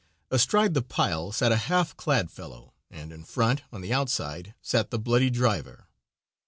Astride the pile sat a half clad fellow, and in front, on the outside, sat the "bloody" driver.